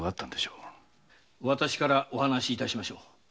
わたしからお話し致しましょう。